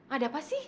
ada apa sih